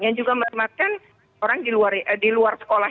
yang juga melematkan orang di luar sekolah